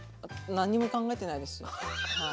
何にも考えてないですはい。